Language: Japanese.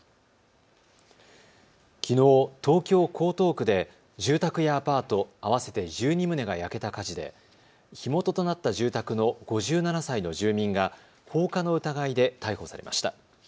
きのう、東京江東区で住宅やアパート合わせて１２棟が焼けた火事で火元となった住宅の５７歳の住民が放火の疑いで逮捕されました。